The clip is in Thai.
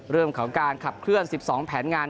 เรื่องของการขับเคลื่อน๑๒แผนงาน